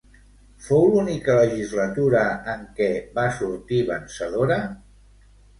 Fou l'única legislatura en què va sortir vencedora?